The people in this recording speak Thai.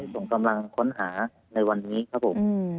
ส่งกำลังค้นหาในวันนี้ครับผม